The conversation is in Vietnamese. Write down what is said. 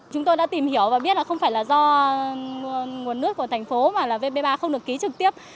chúng tôi đã tìm hiểu và biết là không phải là do nguồn nước của thành phố mà là vb ba không được ký trực tiếp